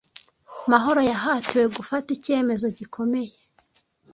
Mahoro yahatiwe gufata icyemezo gikomeye.